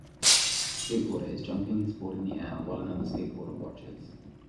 The skateboarder is jumping his board in the air while another skateboarder watches.